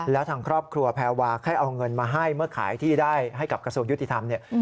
แล้วทางครอบครัวแพรวาให้เอาเงินมาให้เมื่อขายที่ได้ให้กับกระทรวงยุติธรรมเนี่ย